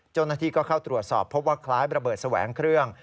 เจ้าหน้าที่ก็เข้าตรวจสอบพบว่าคล้ายระเบิดแสวงเครื่อง